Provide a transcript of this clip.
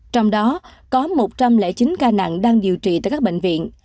trong đó có một trăm linh chín ca nặng đang điều trị tại các bệnh viện